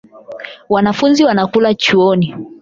Wanafunzi wanakuja chuoni